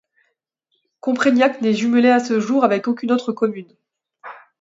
Compreignac n'est jumelé à ce jour avec aucune autre commune.